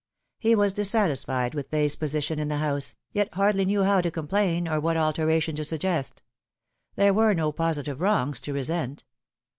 He was dissatisfied with Fay's position in the house, yet hardly knew how to complain or what alteration to suggest. There were no positive wrongs to resent.